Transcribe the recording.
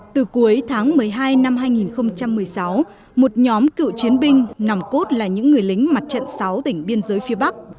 từ cuối tháng một mươi hai năm hai nghìn một mươi sáu một nhóm cựu chiến binh nằm cốt là những người lính mặt trận sáu tỉnh biên giới phía bắc